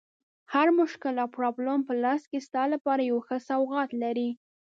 هر مشکل او پرابلم په لاس کې ستا لپاره یو ښه سوغات لري.